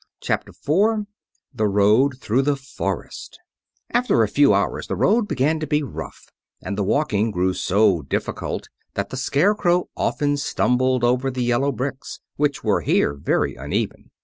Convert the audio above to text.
Chapter IV The Road Through the Forest After a few hours the road began to be rough, and the walking grew so difficult that the Scarecrow often stumbled over the yellow bricks, which were here very uneven.